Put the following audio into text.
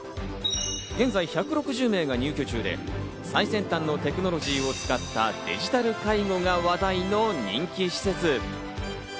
現在１６０名が入居中で最先端のテクノロジーを使ったデジタル介護が話題の人気施設。